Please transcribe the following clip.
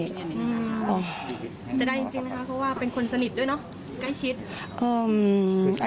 จะได้จริงนะคะเพราะว่าเป็นคนสนิทด้วยเนอะใกล้ชิด